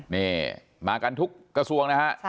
นี่มากันทุกกระทรวงนะฮะ